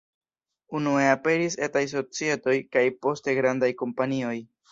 Unue aperis etaj societoj, kaj poste grandaj kompanioj.